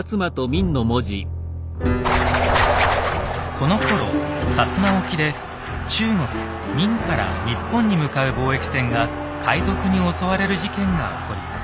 このころ摩沖で中国・明から日本に向かう貿易船が海賊に襲われる事件が起こります。